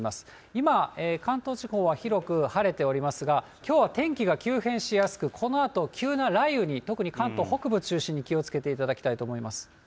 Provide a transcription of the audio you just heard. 今、関東地方は広く晴れておりますが、きょうは天気が急変しやすく、このあと急な雷雨に、特に関東北部を中心に気をつけていただきたいと思います。